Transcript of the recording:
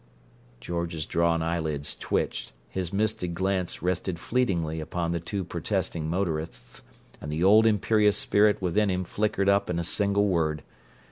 George's drawn eyelids twitched; his misted glance rested fleetingly upon the two protesting motorists, and the old imperious spirit within him flickered up in a single word.